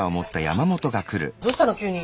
どうしたの急に。